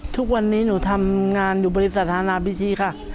ทุกวันนี้หนูทำงานอยู่บริษัทฮานาบีชีค่ะ